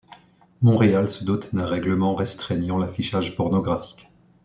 Montréal se dote d’un règlement restreignant l’affichage pornographique.